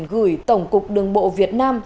gửi tổng cục đường bộ việt nam